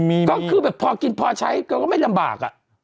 ก็คือแบบพอกินพอใช้เขาก็ไม่ลำบากอ่ะ